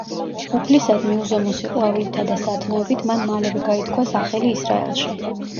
უფლისადმი უზომო სიყვარულითა და სათნოებით მან მალევე გაითქვა სახელი ისრაელში.